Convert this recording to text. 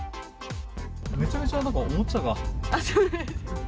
めちゃめちゃなんかおもちゃそうなんです。